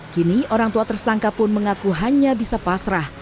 kini orang tua tersangka pun mengaku hanya bisa pasrah